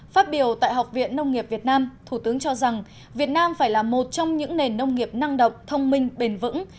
phát biểu tại học viện nông nghiệp việt nam thủ tướng cho rằng việt nam phải là một trong những nền nông nghiệp năng động thông minh bền vững